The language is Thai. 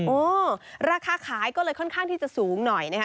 เออราคาขายก็เลยค่อนข้างที่จะสูงหน่อยนะฮะ